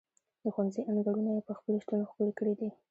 د ښوونځي انګړونه یې په خپل شتون ښکلي کړي دي.